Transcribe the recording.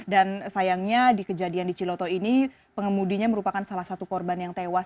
dan sayangnya di kejadian di ciloto ini pengemudinya merupakan salah satu korban yang tewas